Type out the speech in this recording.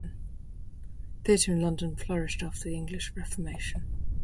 Theatre in London flourished after the English Reformation.